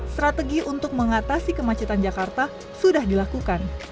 strategi untuk mengatasi kemacetan jakarta sudah dilakukan